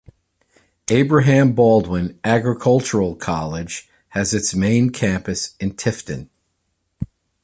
Abraham Baldwin Agricultural College has its main campus in Tifton.